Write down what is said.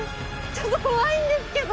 ちょっと怖いんですけど。